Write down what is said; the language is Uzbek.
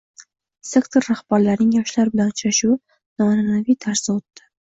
Sektor rahbarining yoshlar bilan uchrashuvi noan’anaviy tarzda o‘tdi